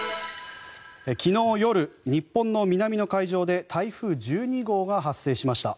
昨日夜、日本の南の海上で台風１２号が発生しました。